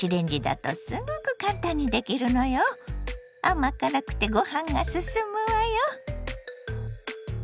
甘辛くてごはんが進むわよ。